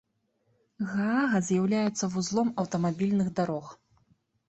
Гаага з'яўляецца вузлом аўтамабільных дарог.